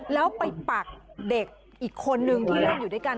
แล้วไปปักเด็กอีกคนนึงที่เล่นอยู่ด้วยกัน